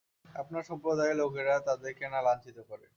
আপনার সম্প্রদায়ের লোকেরা তাদেরকে না লাঞ্ছিত করে!